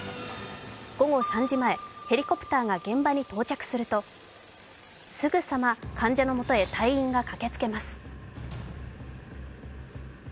午後３時前、ヘリコプターが現場に到着すると、すぐさま患者のもとへ隊員が駆けつけます。